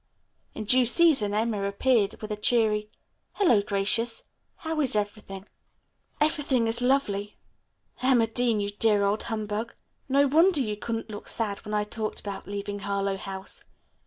In due season Emma appeared with a cheery, "Hello, Gracious. How is everything?" "Everything is lovely. Emma Dean, you dear old humbug. No wonder you couldn't look sad when I talked about leaving Harlowe House.